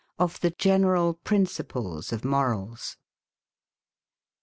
OF THE GENERAL PRINCIPLES OF MORALS.